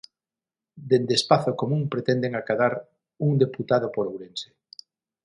Dende Espazo Común pretenden acadar un deputado por Ourense.